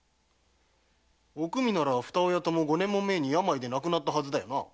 おくみなら二親とも五年も前に病で亡くなったはずだよな。